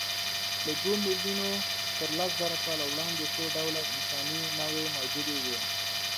له دوو میلیونو تر لسزره کاله وړاندې څو ډوله انساني نوعې موجودې وې.